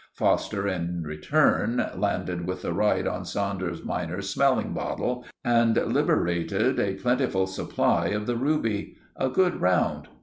Foster in return landed with the right on Saunders minor's smelling bottle, and liberated a plentiful supply of the ruby. A good round.